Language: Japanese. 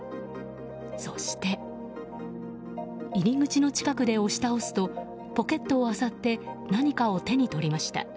そして入り口の近くで押し倒すとポケットを漁って何かを手に取りました。